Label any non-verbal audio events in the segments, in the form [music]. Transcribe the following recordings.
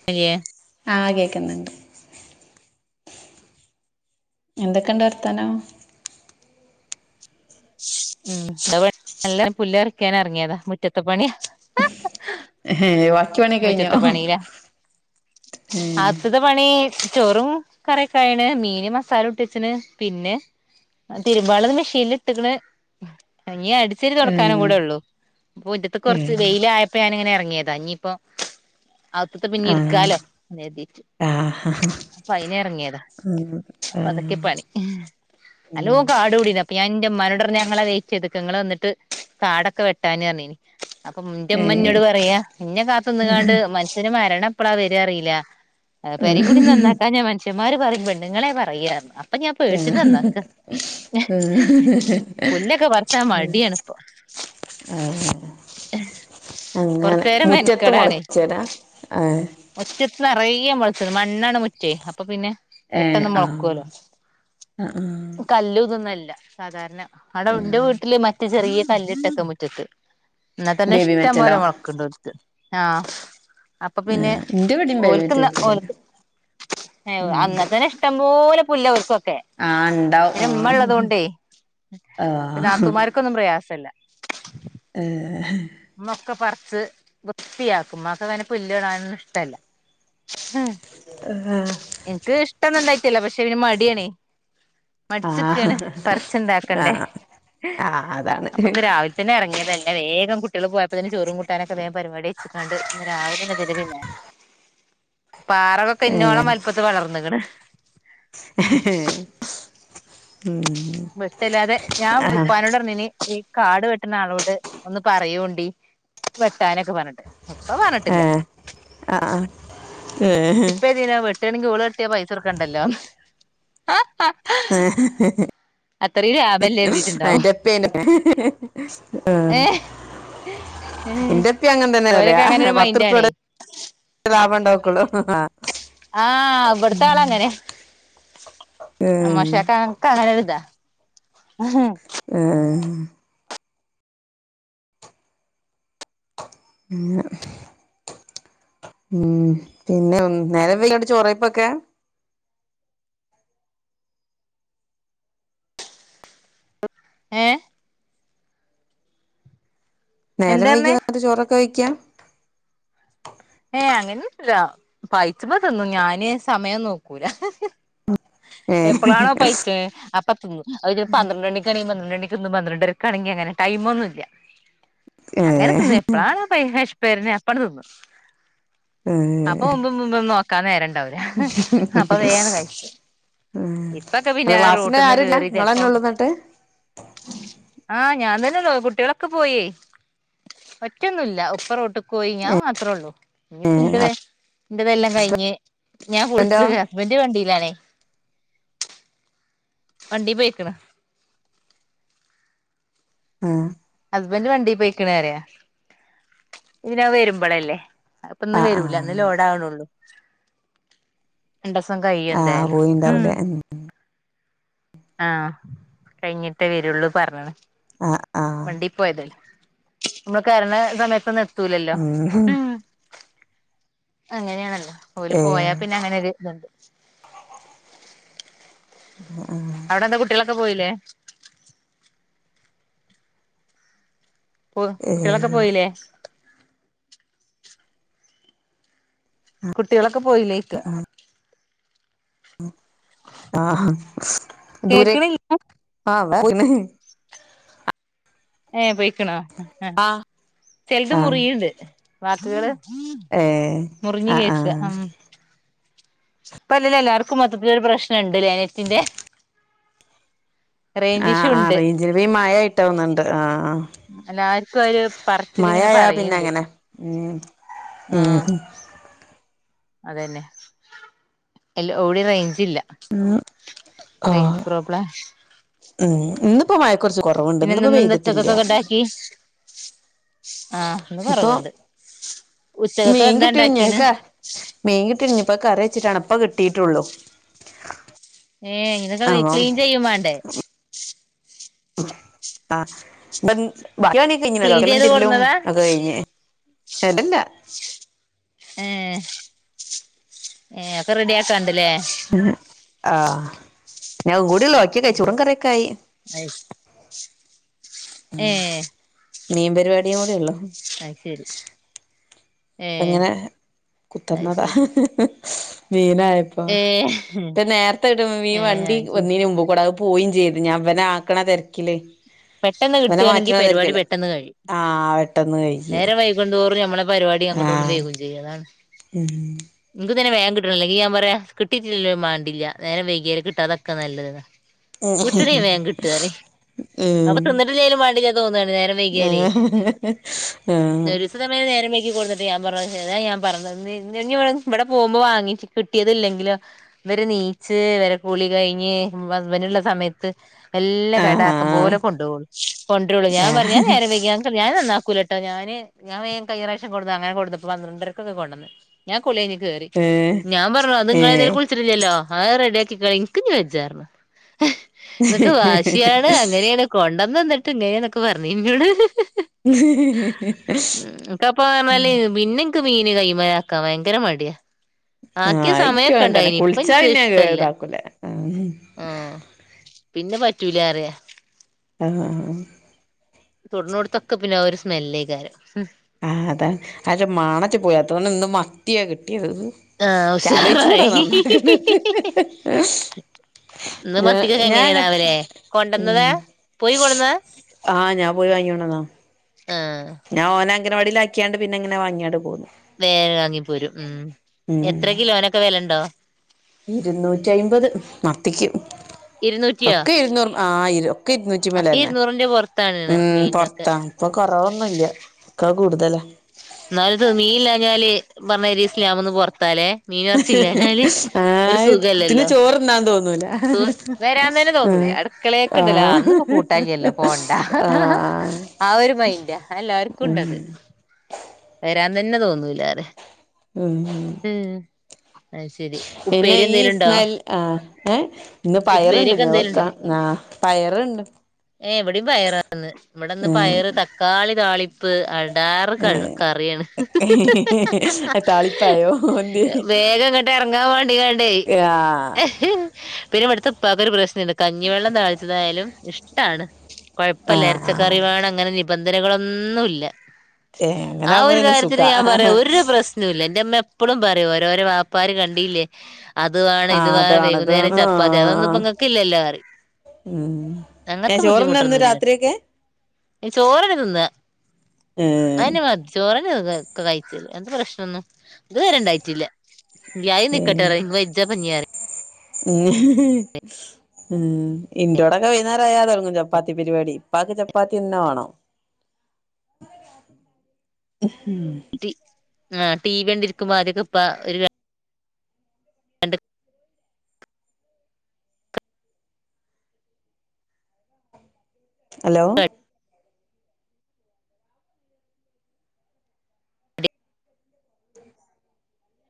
[unintelligible] ആഹ് കേൾക്കുന്നുണ്ട് എന്തൊക്കെണ്ട് വർത്താനം ഉം അ നല്ല പുല്ല്‌ പറിക്കാൻ ഇറങ്ങിയതാ മുറ്റത്തെ പണിയ ഏഹ് വാക്കി പണിയൊക്കെ കഴിഞ്ഞോ ഏഹ് അകത്ത്ത്തെ പണി ചോറും കറക്കായണ് മീന് മസാല കൂട്ടി വെച്ചണ് പിന്നെ തിരുമ്പാള്ളത് മെഷീനിൽ ഇട്ട്ക്ക്ണ് ഇനി അടിച്ചരി ഏ തുടക്കാനും കൂടെള്ളൂ അപ്പൊ മുറ്റത്തെ ഏ കുറച്ച് വെയിലായപ്പോ പ്പ ഞനിങ്ങനെ ഇറങ്ങിയതാ ഇനിയിപ്പോ അകത്തത്തെ പിന്നെ ആഹ് എടുക്കാലോ എന്നെരുതിട്ട് ആഹ് അപ്പൊ അയിന് ഇറങ്ങിയതാ ഉം അപ്പൊ ആഹ് അതൊക്കെ പണി ഉം നല്ലോ കാട് മൂടിണ് ന്റെ മ്മാനോട് റഞ്ഞു ഞാൻ ഇങ്ങളെ വയിറ്റ് ചെയ്ത് നിക്കാ നിങ്ങള് വന്നിട്ട് കാടൊക്കെ വെട്ടാന് പറഞ്ഞീന് അപ്പൊ ഏ ന്റെമ്മ ന്നോട് പറയാ ഇന്നെ കാത്ത് നിന്നാണ്ട് മനുഷ്യന് മരണം പ്പളാ വര അറില പേരിം കുടിം ആഹ് നന്നാക്കാഞാ മനുഷ്യന്മാര് പറയും പെണ്ണുങ്ങളെ പറയ പർഞ്ഞു ആ ആഹ പുല്ലൊക്കെ പറച്ചാ മടി ആണുപ്പൊ ആഹ് അങ്ങനെ കൊറച്ചേരം മുറ്റത്ത് മുളച്ച്താ ആഹ് മുച്ചത്ത് നറയേ മൊളച്ചത് മണ്ണാണ് മുറ്റെ അപ്പൊ പിന്നെ ഏ പെട്ടെന്ന് ആഹ് മൊളെക്കോലോ ആഹ് ആഹ് കല്ല് ഇതന്നല്ല സാധാരണ അവിടെ ന്റെ ആഹ് വീട് ട്ടില് മറ്റ ചെറിയ കല്ലിട്ടക്ക മുറ്റത്ത് ന്നാ തന്നെ ബേബി ഇഷ്ടം മെറ്റലോ പോലെ മുളക്കണ്ട് ഓൽക്ക് ആഹ് അപ്പൊ പിന്നെ ആഹ് ഇന്റെ ഇവിടിം ബേബി മെറ്റൽ ഓൽക്കിന്ന ഇട്ട്ക്ക്ണ് ഓൽക്ക് ഏഹ് ഉം അന്നത്തന്നെ ഇഷ്ടംപോലെ പുല്ല ഓൽക്കൊക്കെ ആഹ് ഇണ്ടാവും പിന്നെ ഇമ്മ ഉള്ളത് കൊണ്ടേ ആഹ് ക്കൊന്നും പ്രയാസല്ല ഏഹ് മ്മക്കെ പറച്ച് വൃത്തിയാക്കും മ്മാക്കു അങ്ങനെ പുല്ല് കാണാനൊന്നും ഇഷ്ടല്ല ആഹ് ഇച് ഇഷ്ടന്നു ഉണ്ടായിട്ടില്ല പക്ഷെ പിന്നെ മടിയണേ ആഹ് മടിച്ച്ക്കാണ് പറിച്ചുണ്ടാക്കണ്ടേ ആഹ് ആഹ് അതാണ് അപ്പന്ന് രാവിൽ തന്നെ ഇറങ്ങിയത വേഗം കുട്ട കുട്യള് പോയപ്പോ തന്നെ ചോറും കൂട്ടാനും പരിപാടി യ്ച്ചകാണ്ട് രാവിലെ തന്ന ഇതിന്റെ പിന്നാ പാറകളൊക്കെ ഇന്നോളം വൽപ്പത്തി വളർന്ന്ക്ക്‌ണ്. ഹേ ഹേ ഹേ വെട്ടല്ലാതെ ഞാം ആഹ് പാനോട്ർഞ്ഞീനി ഈ കാട് വെട്ടുണ ആളോട് ഒന്ന് പറയണ്ടി വെട്ടാനൊക്കെ പറഞ്ഞിട്ട്. ഉപ്പ പറ ഏഹ് ആഹ് ആഹ് ഏഹ് ലെന്തിനാ വേട്ടണ്. ഓള് വെട്ടാണെങ്കി പൈസ കൊട്ക്കണ്ടല്ലോ. ഹ ഹ ഹ ഏഹ് അത്തറീം ലാഭല്ലേ കരുതിയിട്ടുണ്ടാവും. പിന്ന ഏഹ്. ഏഹ് ന്റെ പ്പീംഅങ്ങന തന്നെ ഓരൊക്കെ പറയാ. അങ്ങനെ ഒരു മൈൻഡാണേ പത്ത്രപ്പ്യടെ ലാബണ്ടോക്കുള്ളു. ആഹ് ആഹ് ബടുത്താളങ്ങനെ. ഏഹ് അമ്മോശക്ക. ക്കതൊക്കെ ഒരിത. ഏഹ് പിന്ന ഉം പിന്നെ നേരം വെയ്കിയാണ്ട് ചോറെയ്പ്പൊക്കെ. ഏഹ് നേരം വെയ്കി എന്താർഞ്ഞേ വന്നിട്ട് ചോറൊക്കെ വെയ്ക്യ. ഏഹ് അങ്ങനെന്നുല്ല. പൈച്ച്മ്പ തിന്നും ഞാന് സമയം നോക്കൂല. ഏഹ് എപ്പളാണോ പൈച്ച്ണ് അപ്പോ തിന്നും. അയിനി പന്ത്രണ്ട്ണി കാണെങ്കി പന്ത്രണ്ടണിക്ക്ന്നും പന്ത്രണ്ടരക്കാണെങ്കി അങ്ങനെ ടൈം മൊന്നുല്യ. അങ്ങനെ തിന്ന ഏഹ് എപ്പളാണ് ബൈവെഷപേരണ്. അപ്പോങ്‌ തിന്നും. ഏഹ് അപ്പൊ മുമ്പ് പിമ്പൊന്നും നോക്കാ നേരണ്ടാവൂല. അപ്പൊ വേന്ന് കഴി ഇപ്പൊക്കെ അല്ല പിന്നെ ക്ലാസ്സിന് റോട്ടിന്ന് ആരുല്ല കേറി നിങ്ങള് തന്നെ ചെൽപ്പം ഉള്ളൂ എന്നിട്ട് ആഹ് ഞാൻ തന്നെള്ളൂ. കുട്യളൊക്കെ പോയീ. ഒറ്റൊന്നുല്ല. ഉപ്പ റോട്ട്ക്കോയി. ഞാ ഏഹ് മാത്രേള്ളൂ. ഇഞ്ഞി പ്പ ഇന്റത ഇന്റെതെല്ലാം ഹസ്ബന്റോ കഴിഞ്ഞ്. ഞാൻ കുൾച്ച് കേറ ഹസ്ബൻഡ് വണ്ടിയിലാണേ. വണ്ടീ പെയ്ക്ക്ണ്. ആഹ് ഹസ്ബന്റ് വണ്ടി പോയിക്ക്‌ണറിയാ. ഇതിനാ വരുമ്പളല്ലേ. അഹ്പ്പൊ ന്ന് ആഹ് വരൂല. ഇന്ന് ആഹ് ലോഡാവ്ണൊള്ളു. രണ്ടൂസം കയ്യും. ആഹ് എന്തായാലും. ഉം പോയിണ്ടാവൂലേ ആഹ് കഴിഞ്ഞിട്ടേ വരുള്ളൂ പർഞ്ഞ്ണ്. ആഹ് ആഹ് വണ്ടി പോയതല്ലെ. നമ്മള് കേർണ സമയത്തൊന്നും എർത്തൂലല്ലോ. ഉം അങ്ങനെണല്ലോ. ഓല് ഏഹ് പോയാ പി ന്നെങ്ങനൊരു തുണ്ട്. അഹ് ആഹ് അവിടെന്താ കുട്ടികളൊക്കെ പോയീലേ. പോ കുട്ടികളൊക്കെ ഏഹ് പോയീലേ. കുട്ടികളൊക്കെ പോയില്ലേ യ്ക്കാ. അഹ് ആഹ് ദൂരെ കേക്ക്ണില്ല ആഹ് പോയീണ്. ഏഹ് പെയിക്കണോ. ആഹ് ചെല്ത് ആഹ് മുറിയിണ്ട് വാക്ക്കള് ഏഹ് മുറിഞ്ഞ് ആഹ് കേക്ക ആഹ് ഉം ഇപ്പ അല്ലേലും എല്ലാർക്കും മൊത്തത്തിലൊരു പ്രശ്നണ്ട്ലേ നെറ്റിന്റെ റേഞ്ച് ആഹ് ഇഷ്യൂ ആഹ് ഉണ്ട് റെയ്ഞ്ച്ന് ഇപ്പ ഈ മയായിട്ട തോന്ന്ണ്ട് ആഹ് ആഹ് എല്ലാർക്കും ഒരു പറച്ചില് ഇങ്ങനെ മയആയാ പിന്നെ പറയ്ണ്ട് അങ്ങനെ ഉം ഉം ആഹ് അതന്നെ എല്ലോ എവുടിം റെയ്ഞ്ചില്ല ആഹ് റെയ്ഞ്ച് പ്രോബ്ല ഉം ഇന്ന്പ്പോ മഴക്കൊറച്ച് കൊറവ്ണ്ട് പിന്നെ ഇന്ന്പ്പോ എന്തെന്ന് എന്താ പെയ്ത്ട്ട്ല്ല ഉച്ചക്കൊക്കെ ഉണ്ടാക്കി ആഹ് ഇന്ന് ഇപ്പൊ കൊറവുണ്ട് ഉച്ചക്കൊക്കെ മീൻ എന്താ കിട്ടിണ് ഞ്ഞ് അത് ഉണ്ടാക്കീന് ക്ക മീൻ കിട്ടി ഇഞ് പ്പത് കറി വെച്ചിട്ടാണം ഇപ്പ കിട്ടിട്ടൊള്ളു ഏഹ് ഇ [unintelligible] അപ്പം ക്ലീൻ ചെയ്യും വാണ്ടേ ആഹ് ബൻ ബാക്കി പണിയൊക്കെ കഴിഞ്ഞ്ണ്‌ ക്ലീൻ തൊടക്കലും ചെയ്ത് തിര്മ്പലും കൊടുന്നതാ ഒക്കെ കഴിഞ്ഞ് സ്ഥലല്ല ഏഹ് ഏഹ് ഒക്കെ റെഡി ആക്കാണ്ട്ല്ലേ ആഹ് ആഹ് ഞ് അതും കൂടിയൊള്ളു ബാക്കിയൊക്കെ ആയി ചോറും കറിയൊക്കായി അയ് ഏഹ് മീൻ പരിവാടിം കൂടിയൊള്ളു അത് ശെരി അങ്ങനെ അത് കുത്തിർന്നതാ ശരി മീനായ പ്പോ ഏഹ് ഇപ്പ നേർത്തെ കിട്ടും മീൻ ഏഹ് വണ്ടി അത് ശരി വന്നീന് മുമ്പ് കൂടെ അത് പ്പോയിം ചെയ്തു ഞാ ഇവനെ ആക്ക്ണ തെരക്കില്ലേ പെട്ടെന്ന് കിട്ടാണെങ്കി പരിവാടി പെട്ടെന്ന് കഴിയും ആഹ് പെട്ടെന്ന് കഴിയും നേരം വൈ കുന്തോറും നമ്മളെ പരിവാടി അങ്ങോട്ടും ഇണ്ടും ആഹ് വൈകും ചെയ്യും അതാണ് ഉം ഇന്ക്കും തന്നെ വേം കിട്ടണം ഇല്ലെങ്കി ഞാ പറയാ കിട്ടിട്ടില്ലേം മാണ്ടില്ല്യ നേരം വൈകാല് കിട്ടാതക്ക നല്ലത് ഉ കിട്ടിണിം വേം കിട്ടാറി അപ്പൊ തിന്നിട്ടില്ലോലും വാണ്ടിലാ തോന്നാണ് നേരം വൈകിയാലേ ഏഹ് ആഹ് ഇതേമാരി നേരം വൈകി കൊട്ന്ന്ട്ട് ഞാ പറഞ്ഞു ഇതാ ഞാ പറഞ് ഇഞ്ഞ് ഇഞ് ഇവടെ പോകുമ്പോ വാങ്ങിച്ച് കിട്ടേന്ത് ഇല്ലങ്കിലോ ഇവര് നീച്ച് ഇവരെ കൂളി കഴിഞ്ഞ് ഹസ്ബന്റ്ള്ള സമയത്ത് എല്ലാം കടാക്കും പോലെ ആഹ് കൊണ്ടൊവൊളളു കൊണ്ട്രൊള്ളൂ ഞാ പറഞ്ഞു ആഹ് ഞാ നേരം വൈകിയ ഞാൻ നന്നാക്കൂലട്ടോ ഞാന് ഞാ വേം കഴിഞ്ഞ പ്രാവിശം കൊടുന്ന് അങ്ങനെ കൊടുന്നപ്പ പന്ത്രണ്ടരക്കൊക്കെ കൊണ്ടന്ന് ഞാ കുളി കഴിഞ്ഞ് കേറി ഏഹ് ഞാൻ പറഞ്ഞു അത് നിങ്ങളെതാലും ഏഹ് കു ച്ച്ട്ട്ഇല്ലല്ലോ അത് റെഡിയാക്കി ക്കാളി ഇന്ക്ക്ഞ്ഞ് വെച്ച പറഞ്ഞു ഇങ്ങക്ക് വാശ്ശാണ് അങ്ങനെണ് കൊണ്ടന്നന്ന്ട്ട് ഇങ്ങനെ നൊക്കെ പറഞ് ഇന്നോട് ഉം കപ്പ പറഞ്ഞാല് പിന്നെ ഇക്ക് മീന് കയ്യ്മലാക്കാ വയങ്കര മടിയാ ആക്കേ ആഹ് ഇക്കും സമയൊക്ക അങ്ങനെ തന്നെ ഇണ്ടായിനി ഇപ്പ കുളിച്ചാ ഇന്ക്ക് പിന്നെ ഇഷ്ടല്ല ഇതാക്കൂല ആഹ് ആഹ് പിന്നെ പറ്റൂലാറ്യ ആഹ് ആഹ് തൊട്ണോട്ത്തൊക്കെ പിന്നെ ആ ഒരു സ്മെല്ലേക്കാരം ആഹ് അതാ അക്ഷെ മാണച്ചു പോയി അതോണ്ട് ഇന്ന് മത്തിയാ കിട്ടിയത് ആഹ് ഇക്ക് ആലോയ്ച്ചുണ്ട ഉഷാറായി അത് നന്നാക്ക്ണത് ഇന്ന് ഞാ മത്തിക്കൊക്കെ ഞാൻങ്ങ എങ്ങനെയാണാവലെ കൊണ്ടന്നതാ ഉം പോയി കൊണ്ടന്നതാ ആഹ് ഞാ പോയി വാങ്ങിക്കൊണ്ടന്ന ആഹ് ഞാൻ ഓനെ അംഗനവാടിൽ ആക്കിയാണ്ട് പിന്നെങ്ങനെ വാങ്ങാട് പോന്നു വേ വാങ്ങിപ്പോരും ഉം ഉം എത്ര കിലോനൊക്കെ വെലണ്ടോ? ഇരുന്നൂറ്റി അയ്മ്പത് മത്തിക്ക് ഇരുന്നൂറ്റിയോ ഒക്കെ ഇരുന്നൂറ് ആ ഇര് ക്കെ ഇരുന്നൂറ്റി മേല ഇരുന്നൂറിന്റെ പുറത്താണ് ഉം പൊർത്താ ഇപ്പൊ കൊറവൊന്നുല്ല ഒക്കെ കൂടുതലന്നെ ഇന്നാല് മീൻ ഇല്ലാഞ്ഞാല് പറഞ്ഞയ്രി ഇസിലാമ്ന്ന് പുറത്താലേ ആഹ് ത്ന് ചോറ്ന്നാൻ തോന്നൂല ത് വരാൻ തന്നെ തോന്നൂല ആഹ് അടുക്കളെക്ക്ണ്ടല്ലോ ആഹ് ഇന്ന് പ്പോ കൂട്ടാൻ ഇല്ലല്ലോ പോണ്ട ആഹ് ആഹ് ഒരു മൈന്റ എല്ലാർക്കും ഇണ്ടത് [unintelligible] വരാൻ തന്നെ തോന്നൂല്ല അറയ്യാ ഉം ഉം അയ്ശരി ഉപ്പേരി ഈ എന്തേലും ഇണ്ടോ? സ്മെൽ ആഹ് ഏഹ് ഇന്ന് പയറ്ണ്ട് വെക്കാം ആഹ് പയറ്ണ്ട് ഏഹ് ഇവടിം പയറാന്ന് ഇവടെന്ന് ഉം പയറ് തക്കാളി താളി പ്പ് അടാറ് ക കറിയാണ് താളിപ്പായോ എന്തെ വേഗം ഇങ്ങട്ട് എറങ്ങാൻ വേണ്ടിക്കാണ്ടേ ആഹ് പിന്നെ ഇവടുത്തെ ഇപ്പാക്കോരു പ്രശ്നണ്ട് കഞ്ഞിവെള്ളം താളിച്ചതായാലും ഇഷ്ട്ടാണ് കൊഴപ്പല്ല ആഹ് ആഹ് എരച്ചക്കറി വേണം അങ്ങനെ നിബന്ധനകളൊന്നുല്ല ഏഹ് അങ്ങനെ ആഹ് ആകുമ്പോ ഒരു പിന്നെ കാര്യത്തില് സുഖാ ഞാൻ പറയാ ആഹ് ഒരു പ്രശ്ന ന്നുല്ല ഇന്റെറ ഇമ്മ എപ്പളും പറയും ഓരോരോ വാപ്പാര് കണ്ടില്ലേ അത് വേണം ഇത് അത് വേണം അത് വൈകുന്നേരം ച വേണം പ്പാത്തി ആഹ് അതൊന്നുംപ്പങ്ങക്ക്ല്ലല്ലോ അറിം ഉം അങ്ങത്തെ ഏഹ് ചോറ്ന്നാ ഇന്ന് ബുദ്ധിമുട്ടൊന്നുല്ലട്ടോ രാത്രിയൊക്കെ ചോറന്നെ തിന്ന ഏഹ് അതന്നെ മ ചോറന്നെ ഒക്കെ കഴിച്ചല് അങ്ങൻത്തെ പ്രശ്നന്നും ഇത് വരെ ഇണ്ടായിട്ടില്ല ഏഹ് [unintelligible] ഉം ഇന്റോടൊക്കെ വൈകുന്നേരം അയാതെടങ്ങും ചപ്പാത്തി പരിപാടി ഇപ്പക്ക് ചപ്പാത്തി തന്നെ വാണം [unintelligible] ടി ടി വി കണ്ടിരിക്കുമ്പോ ആദ്യൊക്കെ ഇപ്പ ഒരു ര [unintelligible] ഹലോ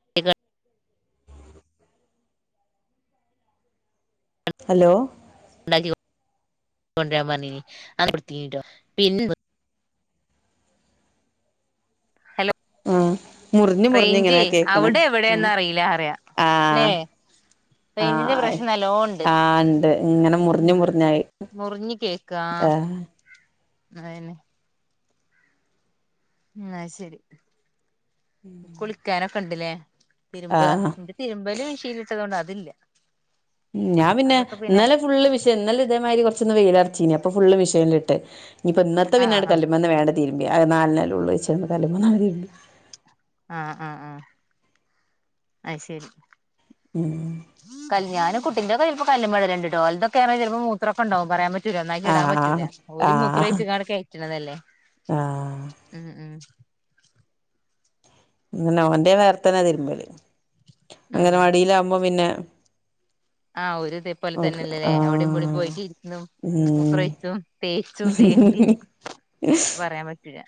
[unintelligible] ഹലോ [unintelligible] ഹലോ ആഹ് മുറിഞ്ഞ് മുറിഞ്ഞ് റൈയ്ഞ്ചേ ഇങ്ങനെ കേക്ക്ണേ അവിടെ ഉം ഇവടെന്നറീലന്ന ല്ലേ ആഹ് റൈഞ്ചിന്റെ ആഹ് പ്രശ്നം നല്ലോ ഇണ്ട് ആഹ് ഇണ്ട് ഇങ്ങനെ ഉം മുറിഞ്ഞ് മുറിഞ്ഞായി മുറിഞ് കേക്ക കാ ആഹ് അതന്നേ അയ്ശരി കുളിക്കാനൊക്കെ ഇണ്ട്ലെ തിരുമ്പ ആഹ് തിരുമ്പല് മിഷിൻല് ഇട്ടതോണ്ട് അതില്ല ഞാൻ പിന്നെ ഇന്നലെ ഫുള്ള് മിഷിൻ ഇന്നലെ ഇതേമാതിരി കുറച്ചൊന്ന് വെയിലറച്ചീനി അപ്പൊ ഫുള്ള് മിഷിനിലിട്ട് ഇഞ്പ്പോ ഇന്നത്തെ ആഹ് പിന്നട് ആഹ് കല്ലുമന്ന് വേണ്ട് തിരുമ്പേ അത് നാലണല്ലേ ഒള്ളൂ ച്ചാണ്ട് കല്ലുമന്നങ്ങട്ട് തിരുമ്പി ആഹ് ആഹ് ആഹ് അയ്ശരി ഉം കല് കുട്ടിൻ്റൊക്കെ ചിലപ്പോ കല്ലുമ്മല്ടല്ണ്ടട്ടോ ഓൽതൊക്കെറഞ്ഞ ചിലപ്പോ മൂത്രക്കെണ്ടാവും പറയാൻപറ്റ റ്റൂല ഒന്നായിട്ട് ഇടാൻ പറ്റൂല ആഹ് ഓല് ആഹ് മൂത്രൊഴിച്ച്കാണ്ട് കയറ്റണതല്ലേ ആഹ് ഉം ഉം അങ്ങനെ ഓന്റെ വേർത്തന്നെ തിരുമ്പല് ഉം അങ്ങനവടിയിലകുമ്പോ പിന്നെ ആഹ് ഒരു ഇതേ പോലെ ഓൽക്ക് തന്നെല്ലല്ലേ അവിടെ ഇവടെും ആഹ് പോയിട്ട് ഇരിക്കുന്നു ഉം മുത്രോയിച്ചും തേച്ചും തേമ്പും പറയാൻ പറ്റില്ല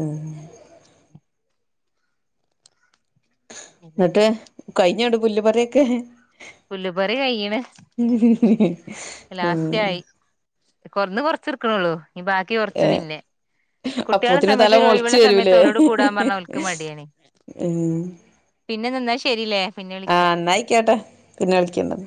ആഹ് എന്നിട്ട് പിന്നൊക്കെയാ കഴിഞ്ഞോട്ട് പുല്ല് പറിയൊക്കെ പുല്ലുപറി കയ്യണ് [inaudible] കൊറന്ന് കൊറച്ചിടുക്കണള്ളൂ ഞ്ഞി ബാക്കി കുറച്ച് ഏഹ് പിന്നെ കുട്ടികളെ അപ്പോത്തിന് തല സമയത്ത് മൊളച്ച് രഴിവുള്ള സമയത്ത് വരൂലേ ഓലോട് കൂടാൻ പറഞ്ഞ ഓൽക്ക് മടിയാണ് ഉം പിന്നെ എന്നാ ശരില്ലേ പിന്നെ ആഹ് വിളിക്കാം എന്നായിക്കോട്ടെ പിന്നെ വിളിക്കണ്ട്